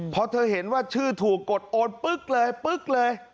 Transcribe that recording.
เพราะเธอเห็นว่าชื่อถูกกดโอนปึ๊กเลย